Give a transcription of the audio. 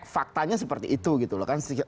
faktanya seperti itu gitu loh kan